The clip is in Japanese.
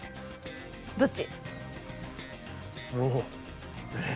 どっち？